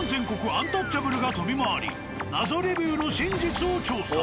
アンタッチャブルが飛び回り謎レビューの真実を調査。